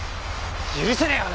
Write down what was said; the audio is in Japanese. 許せねえよ